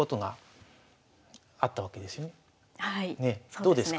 どうですか？